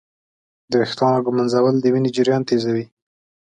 د ویښتانو ږمنځول د وینې جریان تېزوي.